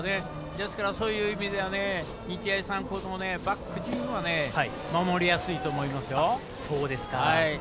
ですからそういう意味では日大三もバック陣は守りやすいと思います。